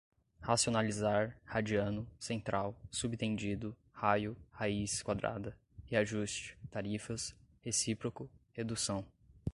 Racionalizar, radiano, central, subtendido, raio, raiz quadrada, reajuste, tarifas, recíproco, redução